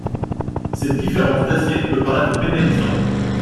Cette différence d’assiette peut paraître pénalisante.